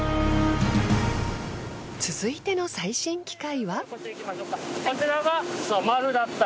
続いての最新機械は。